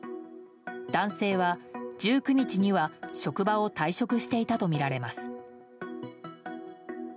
男性は１９日には職場を退職していたとみられます。